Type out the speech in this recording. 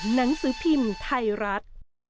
หนังสือพิมพ์ไทยรัฐ